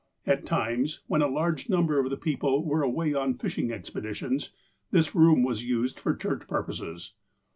At times, when a large number of the people were away on fishing expedi tious, this room was used for church purposes.